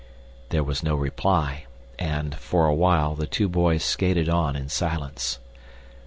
There was no reply, and, for a while, the two boys skated on in silence.